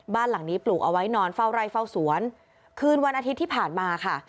บ้านหลังนี้ปลูกเอาไว้นอนเฝ้าไร่เฝ้าสวนคืนวันอาทิตย์ที่ผ่านมาค่ะ